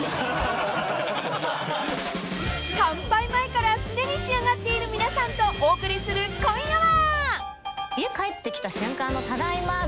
［乾杯前からすでに仕上がっている皆さんとお送りする今夜は］